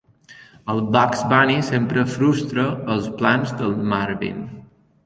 El Bugs Bunny sempre frustra els plans del Marvin.